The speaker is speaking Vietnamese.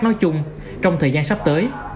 nói chung trong thời gian sắp tới